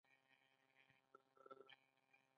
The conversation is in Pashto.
زعفران په هرات کې کیږي